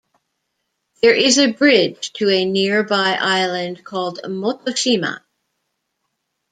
There is a bridge to a nearby island called Motoshima.